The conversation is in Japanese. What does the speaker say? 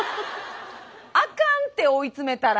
あかんて追い詰めたら。